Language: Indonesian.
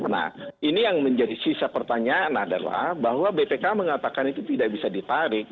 nah ini yang menjadi sisa pertanyaan adalah bahwa bpk mengatakan itu tidak bisa ditarik